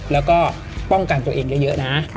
แล้วก็ป้องกันตัวเองเยอะนะ